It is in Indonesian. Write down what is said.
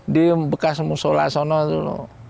di bekas musola sana dulu